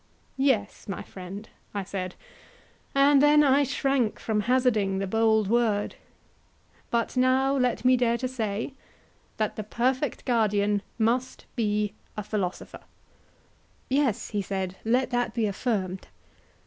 Yes, my friend, I said, and I then shrank from hazarding the bold word; but now let me dare to say—that the perfect guardian must be a philosopher. Yes, he said, let that be affirmed.